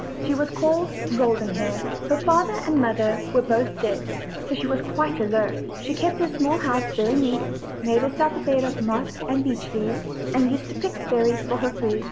She was called Golden Hair. Her father and mother were both dead, so she was quite alone. She kept her small house very neat, made herself a bed of moss and beech leaves, and used to pick berries for her food.